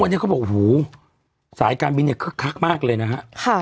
วันนี้เขาบอกโอ้โหสายการบินเนี่ยคึกคักมากเลยนะฮะ